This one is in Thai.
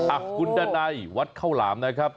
อัคกุณดาไดวัดเข้าหลามนะครับ